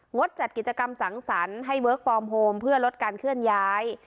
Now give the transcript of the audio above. ดจัดกิจกรรมสังสรรค์ให้เวิร์คฟอร์มโฮมเพื่อลดการเคลื่อนย้าย